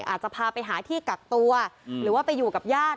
อาจจะพาไปหาที่กักตัวหรือว่าไปอยู่กับญาติ